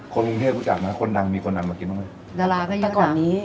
คนเราก็รู้จักมาคนดังมีคนทำวัดกินไม่มือย